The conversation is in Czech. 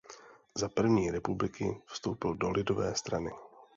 Za první republiky vstoupil do Lidové strany.